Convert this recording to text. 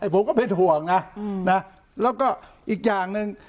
ผมก็เป็นห่วงนะแล้วก็อีกอย่างหนึ่ง